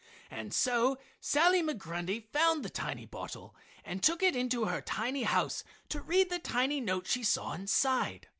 And so Sally Migrundy found the tiny bottle and took it into her tiny house to read the tiny note she saw inside.